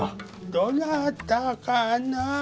どなたかな。